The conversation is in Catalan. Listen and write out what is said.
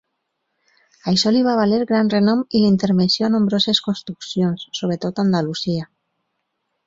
Això li va valer gran renom i la intervenció a nombroses construccions, sobretot a Andalusia.